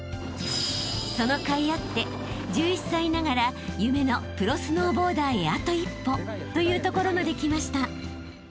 ［そのかいあって１１歳ながら夢のプロスノーボーダーへあと一歩というところまで来ました］